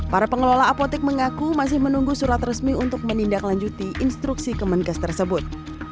para pengelola apotek mengaku masih menunggu surat resmi untuk menindaklanjuti instruksi kemenkes tersebut